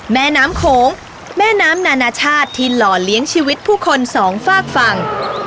แม่น้ำโขงแม่น้ำนานาชาติที่หล่อเลี้ยงชีวิตผู้คนสองฝากฝั่ง